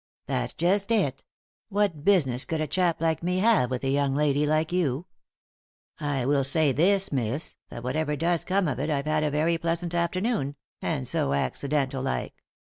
"That's just it — what business could a chap like me have with a young lady like you ? I will say this, miss, that whatever does come of it I've had a very pleasant afternoon ; and so accidental, like.